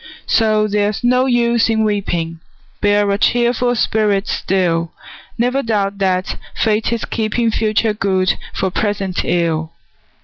So there's no use in weeping, Bear a cheerful spirit still; Never doubt that Fate is keeping Future good for present ill!